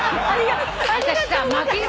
ありがとう。